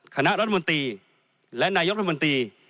คณะรัฐมนตรีและนายกรัฐมนตรี